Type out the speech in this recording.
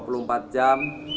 dua puluh empat jam